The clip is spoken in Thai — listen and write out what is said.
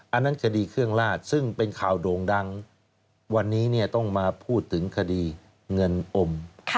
อันนั้นคดีเครื่องลาดซึ่งเป็นข่าวโด่งดังวันนี้ต้องมาพูดถึงคดีเงินอม